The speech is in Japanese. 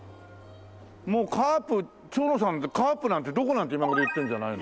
もうカープ長野さんって「カープなんてどこ？」なんて今頃言ってんじゃないの？